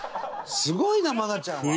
すごいな愛菜ちゃんは！